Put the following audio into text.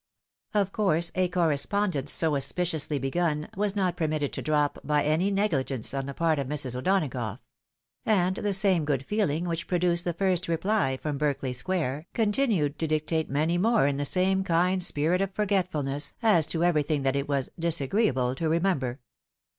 Of course a correspondence so auspiciously begun, was not permitted to drop by any neghgence on the part of Mrs. Dona 40 THE WIDOW MARRIED. gough ; and the same good feeling which produced the first reply from Berkeley square, continued to dictate many more in the same kind spirit of forgetfulness, as to everything that it was disagreeable to remember.